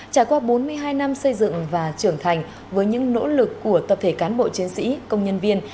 trải qua bốn mươi hai năm xây dựng và trưởng thành với những nỗ lực của tập thể cán bộ chiến sĩ công nhân viên